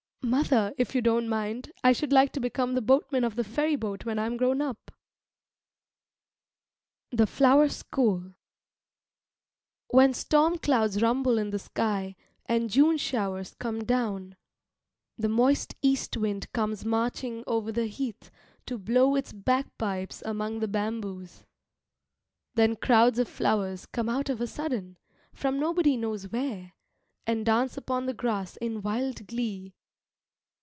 Mother, if you don't mind, I should like to become the boatman of the ferryboat when I am grown up. THE FLOWER SCHOOL When storm clouds rumble in the sky and June showers come down, The moist east wind comes marching over the heath to blow its bagpipes among the bamboos. Then crowds of flowers come out of a sudden, from nobody knows where, and dance upon the grass in wild glee.